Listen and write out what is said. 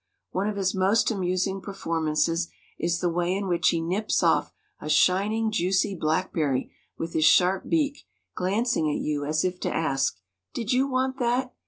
One of his most amusing performances is the way in which he nips off a shining, juicy blackberry with his sharp beak, glancing at you as if to ask, "Did you want that?